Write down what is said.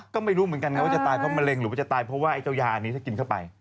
ก็ไม่รู้เหมือนกันนะว่าจะตายเพราะมะเร็งหรือว่าจะตายเพราะว่าไอ้เจ้ายาอันนี้ถ้ากินเข้าไป